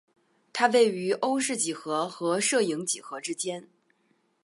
它位于欧氏几何和射影几何之间。